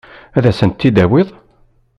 Ad asen-ten-id-tawiḍ?